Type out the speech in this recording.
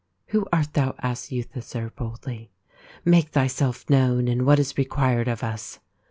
"Who art thou ?" asked Yudhisthir boldly. " Make thyself known and what is required of us."